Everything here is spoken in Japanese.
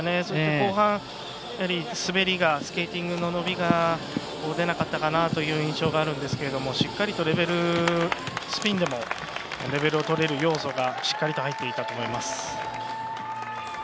そして後半、滑りがスケーティングの伸びが出なかったかなという印象があるんですけれどもしっかりとスピンでもレベルが取れる要素がしっかりと入っていたと思います。